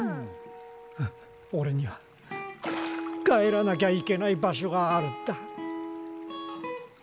オレには帰らなきゃいけない場所があるんだ。